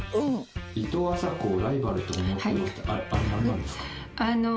いとうあさこをライバルと思ってますって、あれ、何なんですか？